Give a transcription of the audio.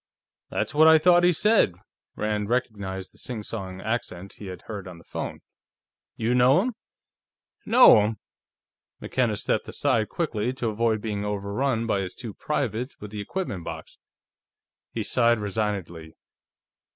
"That's what I thought he said." Rand recognized the singsong accent he had heard on the phone. "You know him?" "Know him?" McKenna stepped aside quickly, to avoid being overrun by the two privates with the equipment box. He sighed resignedly.